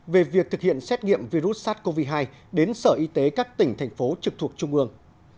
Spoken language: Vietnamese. về việc thực hiện xét nghiệm virus sars cov hai đến sở y tế các tỉnh thành phố trực thuộc trung ương